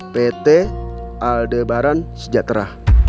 pt aldebaran sejahtera